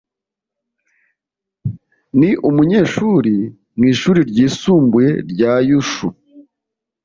Ni umunyeshuri mu ishuri ryisumbuye rya Yushu.